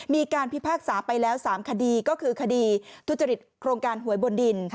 มีการพิพากษาไปแล้ว๓คดีก็คือคดีทุจริตโครงการหวยบนดิน